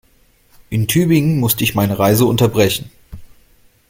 In Tübingen musste ich meine Reise unterbrechen